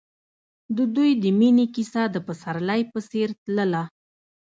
د دوی د مینې کیسه د پسرلی په څېر تلله.